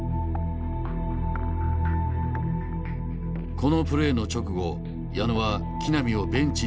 このプレーの直後矢野は木浪をベンチに下げた。